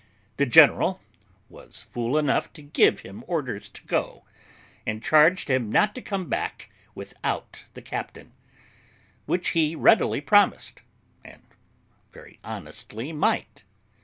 The general was fool enough to give him orders to go, and charged him not to come back without the captain; which he readily promised, and very honestly might.